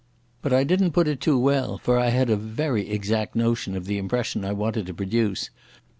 But I didn't put it too well, for I had a very exact notion of the impression I wanted to produce.